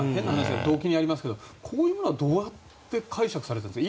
動機にありますけどこういうのはどうやって解釈されているんですか？